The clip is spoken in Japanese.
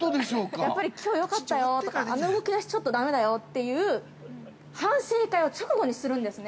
◆やっぱりきょうよかったよとか、あの動きはちょっとだめだよという反省会を直後にするんですね。